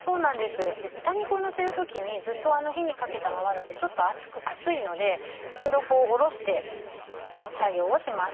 豚肉をのせる時にずっと火にかけたままだとちょっと熱いので一度下ろして作業をします。